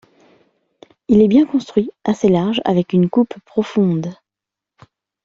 Il est bien construit, assez large avec une coupe profonde.